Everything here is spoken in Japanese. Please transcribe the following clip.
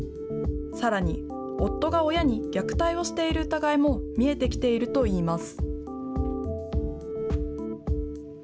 さらに夫が親に虐待をしている疑いも見えてきているといいます。